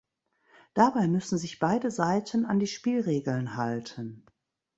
Dabei müssen sich beide Seiten an die Spielregeln halten.